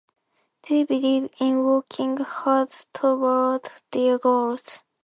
They believe in working hard towards their goals.